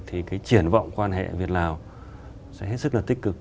thì cái triển vọng quan hệ việt lào sẽ hết sức là tích cực